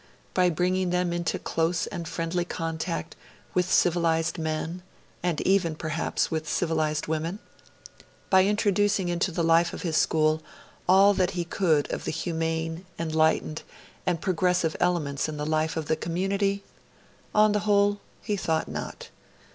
By bringing them into close and friendly contact with civilised men, and even, perhaps, with civilised women? By introducing into the life of his school all that he could of the humane, enlightened, and progressive elements in the life of the community? On the whole, he thought not.